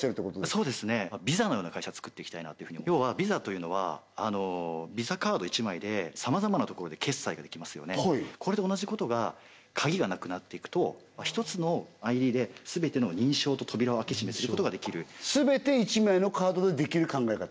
そうですねＶＩＳＡのような会社を作っていきたいなというふうに要はＶＩＳＡというのはＶＩＳＡカード１枚でさまざまなところで決済ができますよねこれと同じことが鍵がなくなっていくと１つのＩＤですべての認証と扉を開け閉めすることができるすべて１枚のカードでできる考え方？